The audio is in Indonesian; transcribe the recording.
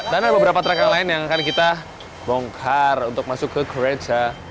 dan ada beberapa trek yang lain yang akan kita bongkar untuk masuk ke kreca